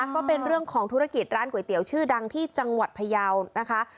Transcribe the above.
ก็เป็นเรื่องของธุรกิจร้านก๋วยเตี๋ยวชื่อดังที่จังหวัดพยาวนะคะ